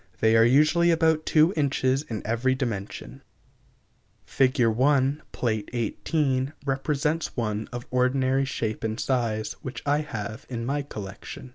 They are usually about two inches in every dimension. Fig. 1, Pl. XVIII represents one of ordinary shape and size, which I have in my collection.